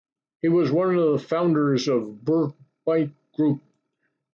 He was one of the founders of the Bourbaki group.